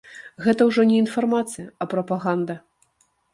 Гэта ўжо не інфармацыя, а прапаганда.